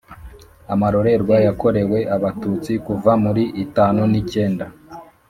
amarorerwe yakorewe abatutsi kuva muri itanu n’icyenda